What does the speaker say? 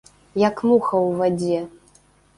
Як муха ў вадзе.